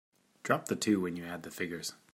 Drop the two when you add the figures.